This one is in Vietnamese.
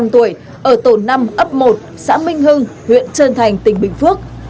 năm mươi năm tuổi ở tổ năm ấp một xã minh hưng huyện trân thành tỉnh bình phước